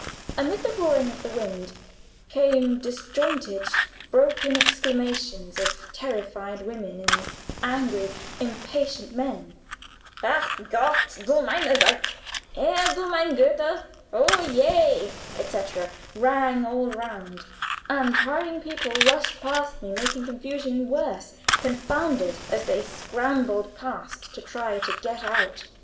Amid the roar of the wind came disjointed, broken exclamations of terrified women and angry, impatient men. "Ach Gott!" "Du meine Zeit!" "Herr du meine Güte!" "Oh je!" etc., rang all round, and hurrying people rushed past me, making confusion worse confounded as they scrambled past to try to get out.